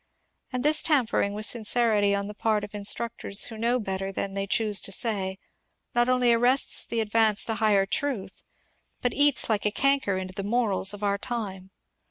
And this tampering with sincerity on the part of instructors who know better than they choose to say, not only arrests the advance to higher truth, but eats like a canker into the morals of our time.